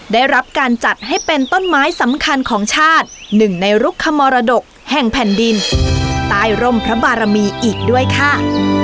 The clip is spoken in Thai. ได้รับการจัดให้เป็นต้นไม้สำคัญของชาติหนึ่งในรุกขมรดกแห่งแผ่นดินใต้ร่มพระบารมีอีกด้วยค่ะ